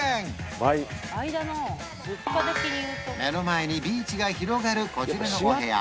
倍倍だな目の前にビーチが広がるこちらのお部屋